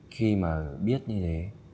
khi mà biết như thế